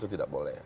itu tidak boleh